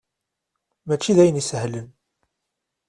Mačči d ayen isehlen.